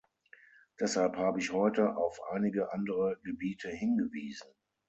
Deshalb habe ich heute auf einige andere Gebiete hingewiesen.